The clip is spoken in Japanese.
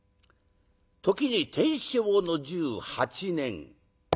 時に天正の１８年。